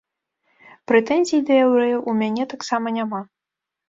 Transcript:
Прэтэнзій да яўрэяў у мяне таксама няма.